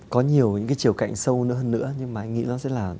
có nhiều những cái chiều cạnh sâu nữa hơn nữa nhưng mà anh nghĩ nó sẽ là